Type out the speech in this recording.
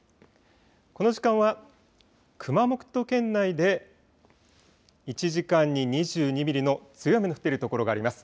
この時間は熊本県内で１時間に２２ミリの強い雨の降っているところがあります。